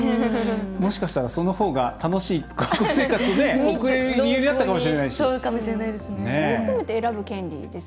もしかしたらそのほうが楽しい学校生活を遅れたかもしれないし。